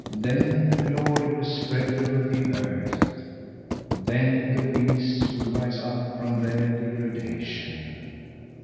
Then glory will spread over the earth, then the beasts will rise up from their degradation.